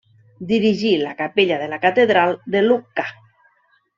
Dirigí la capella de la Catedral de Lucca.